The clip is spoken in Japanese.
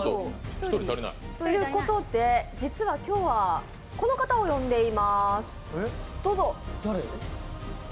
ということで実は今日はこの方を呼んでいます。